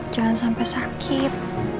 jangan sampai sakit